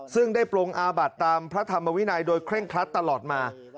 ซึ่งได้ปรงอาบัติตามพระธรรมวินัยโดยเคร่งครัดตลอดมา